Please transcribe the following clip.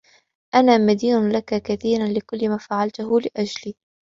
أنا مدين لك كثيرًا لكل ما فعلته لأجلي.